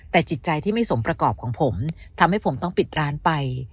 แต่จิตใจที่ไม่สมประกอบของผมทำให้ผมต้องปิดร้านไป